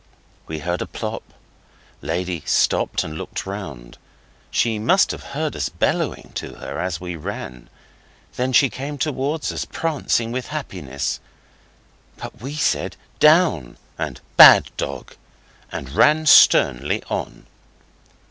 We heard a plop; Lady stopped and looked round. She must have heard us bellowing to her as we ran. Then she came towards us, prancing with happiness, but we said 'Down!' and 'Bad dog!' and ran sternly on.